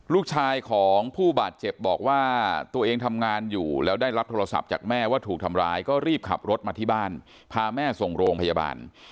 ลูกชายของผู้บาดเจ็บบอกว่าตัวเองทำงานอยู่แล้วได้รับโทรศัพท์จากแม่ว่าถูกทำร้ายก็รีบขับรถมาที่บ้านพาแม่ส่งโรงพยาบาล